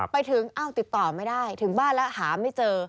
ไปถึงอ้าวติดต่อไม่ได้ถึงบ้านแล้วหาไม่เจอ